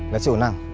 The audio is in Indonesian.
lihat sih una